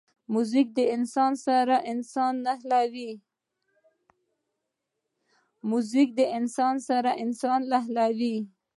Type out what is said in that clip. موزیک انسان سره انسان نښلوي.